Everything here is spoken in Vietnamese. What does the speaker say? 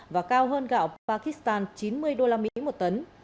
và cao hơn gạo pakistan chín mươi usd một tấn